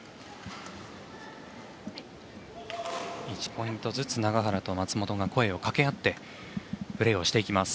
１ポイントずつ永原と松本が声をかけ合ってプレーをしていきます。